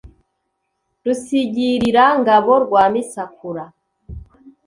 rusigirira-ngabo rwa misakura